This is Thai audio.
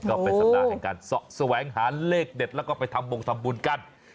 เป็นสำนาค์ที่สะแหงหาเลขเด็ดไปทำวงสำบุญกัน